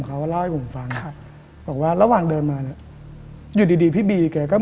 ใช่